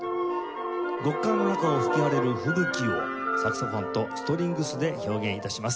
極寒の中を吹き荒れる吹雪をサクソフォンとストリングスで表現致します。